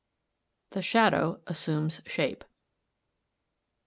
THE SHADOW ASSUMES SHAPE.